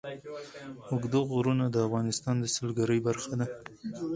اوږده غرونه د افغانستان د سیلګرۍ برخه ده.